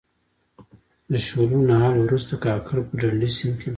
د شولو نهال وروسته کاکړ په ډډي سیند کې لامبل.